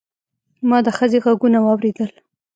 ما د ښځې غږونه واورېدل.